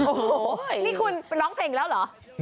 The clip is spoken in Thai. โอ้โหนี่คุณไปร้องเพลงแล้วเหรอ